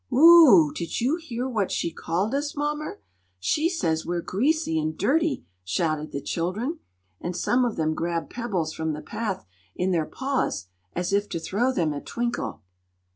"Whoo! did you hear what she called us, mommer? She says we're greasy and dirty!" shouted the children, and some of them grabbed pebbles from the path in their paws, as if to throw them at Twinkle.